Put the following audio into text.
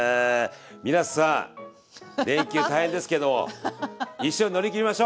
皆さん連休大変ですけども一緒に乗り切りましょう！